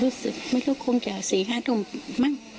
ก็เดินเมื่อคืนนี้ไม่ได้ยิน